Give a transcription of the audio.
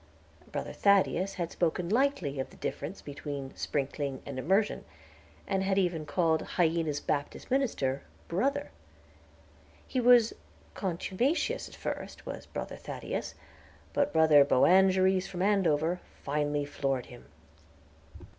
Brother Thaddeus had spoken lightly of the difference between Sprinkling and Immersion, and had even called Hyena's Baptist minister "Brother." He was contumacious at first, was Brother Thaddeus, but Brother Boanerges from Andover finally floored him.